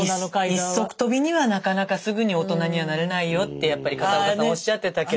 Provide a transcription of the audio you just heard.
一足飛びにはなかなかすぐに大人にはなれないよってやっぱり片岡さんおっしゃってたけど。